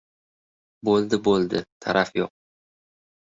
— Bo‘ldi, bo‘ldi, taraf yo‘q.